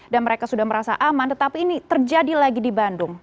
dan mereka sudah merasa aman tetapi ini terjadi lagi di bandung